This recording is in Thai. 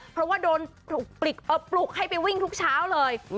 เพราะว่าโดนปลุกให้ไปวิ่งทุกเช้าเลย